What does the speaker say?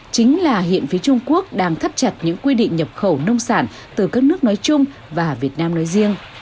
chính là hiện phía trung quốc đang thắt chặt những quy định nhập khẩu nông sản từ các nước nói chung và việt nam nói riêng